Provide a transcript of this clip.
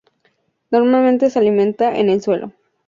Normalmente se alimenta en el suelo.